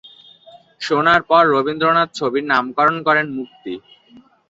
শোনার পর রবীন্দ্রনাথ ছবির নামকরণ করেন ‘মুক্তি’।